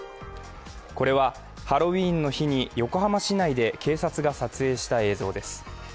これはハロウィーンの日に横浜市内で警察が撮影した映像です。